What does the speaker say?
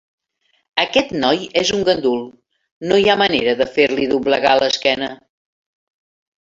Aquest noi és un gandul: no hi ha manera de fer-li doblegar l'esquena.